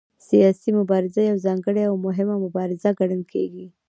سیاسي مبارزه یوه ځانګړې او مهمه مبارزه ګڼل کېږي